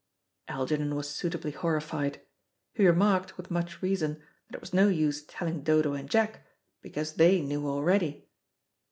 Algernon was suitably horrified. He remarked, with much reason, that it was no use telling Dodo and Jack, because they knew already.